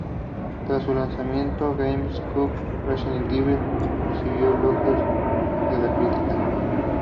Tras su lanzamiento en GameCube, Resident Evil recibió elogios de la crítica.